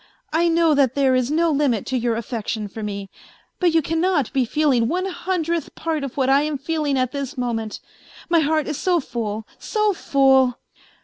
I know that there is no limit to your affection for me ; but you cannot be feeling one hundredth part of what I am feeling at this moment. My heart is so full, so full